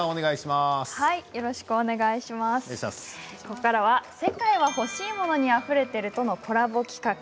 ここからは「世界はほしいモノにあふれてる」とのコラボ企画。